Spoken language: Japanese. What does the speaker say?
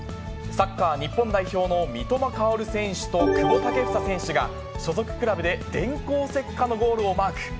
サッカー日本代表の三笘薫選手と、久保建英選手が、所属クラブで電光石火のゴールをマーク。